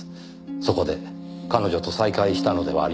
そこで彼女と再会したのではありませんか？